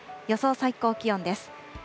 予想最高気温です。